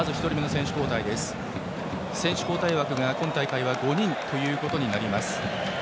選手交代枠が今大会は５人となります。